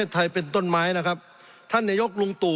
สงบจนจะตายหมดแล้วครับ